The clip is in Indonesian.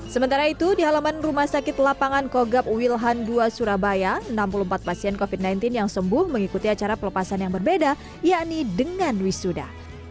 sementara itu di halaman rumah sakit lapangan kogab wilhan ii surabaya enam puluh empat pasien covid sembilan belas yang sembuh mengikuti acara pelepasan yang berbeda yakni dengan wisuda